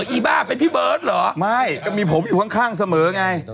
อีบ้าเป็นพี่เบิร์ตเหรอไม่ก็มีผมอยู่ข้างเสมอไง